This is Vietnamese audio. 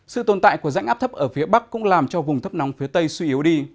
sự tồn tại của rãnh áp thấp ở phía bắc cũng làm cho vùng thấp nóng phía tây suy yếu đi